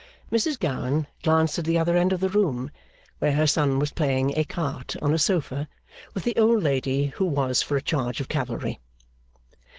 Mrs Gowan glanced at the other end of the room, where her son was playing ecarte on a sofa, with the old lady who was for a charge of cavalry.